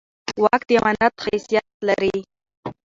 واک د امانت حیثیت لري